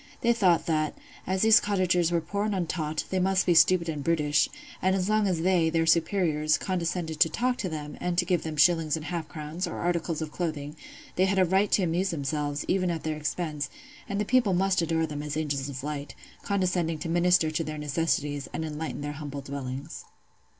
They thought that, as these cottagers were poor and untaught, they must be stupid and brutish; and as long as they, their superiors, condescended to talk to them, and to give them shillings and half crowns, or articles of clothing, they had a right to amuse themselves, even at their expense; and the people must adore them as angels of light, condescending to minister to their necessities, and enlighten their humble dwellings.